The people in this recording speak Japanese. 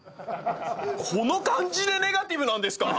この感じでネガティブなんですか！？